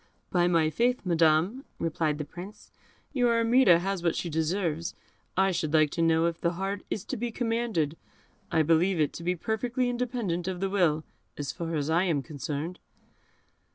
"By my faith, Madam," replied the Prince, "your Armida has what she deserves. I should like to know if the heart is to be commanded; I believe it to be perfectly independent of the will, as far as I am concerned."